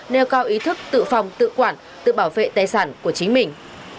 nêu cao ý thức tự phòng tự quản tự bảo vệ tài sản của chính mình